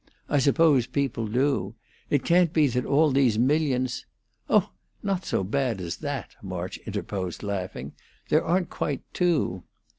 I suppose people do. It can't be that all these millions ' "Oh, not so bad as that!" March interposed, laughing. "There aren't quite two."